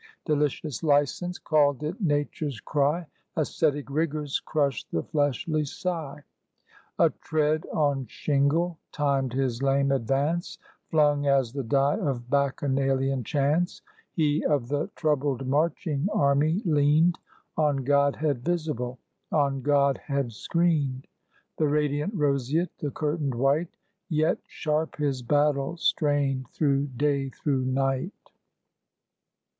Delicious licence called it Nature's cry; Ascetic rigours crushed the fleshly sigh; A tread on shingle timed his lame advance Flung as the die of Bacchanalian Chance, He of the troubled marching army leaned On godhead visible, on godhead screened; The radiant roseate, the curtained white; Yet sharp his battle strained through day, through night.